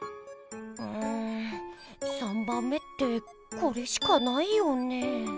うん３ばんめってこれしかないよねぇ？